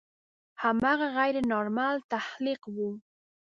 هماغه غیر نارمل تخلیق و.